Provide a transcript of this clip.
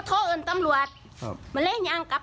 ติดต่างลุงต่างไง